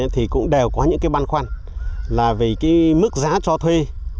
thì cũng đều có những cái băn khoăn là về cái mức giá cho thuê